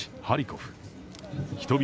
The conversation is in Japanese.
ハリコフ。